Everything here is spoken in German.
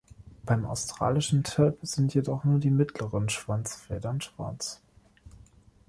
Beim Australischen Tölpel sind jedoch nur die mittleren Schwanzfedern schwarz.